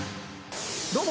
どうも。